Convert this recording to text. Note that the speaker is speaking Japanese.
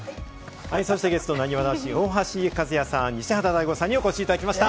ゲストのなにわ男子・大橋和也さん、西畑大吾さんにお越しいただきました。